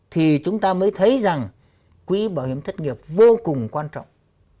thì chúng ta mới thấy rằng quỹ bảo hiểm thất nghiệp vô cùng quan trọng